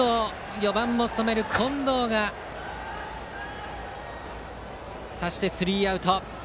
４番も務める近藤が刺してスリーアウト。